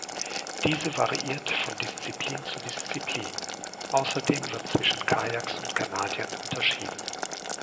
Diese variiert von Disziplin zu Disziplin, außerdem wird zwischen Kajaks und Kanadiern unterschieden.